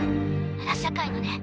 裏社会のね。